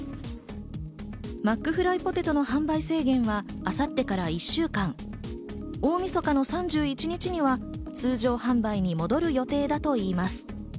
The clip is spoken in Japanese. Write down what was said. マックフライポテトの販売制限は明後日から１週間、大みそかの３１日には通常販売に戻る予定だといいます。